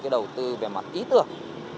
với cái đầu tư về mặt ý tưởng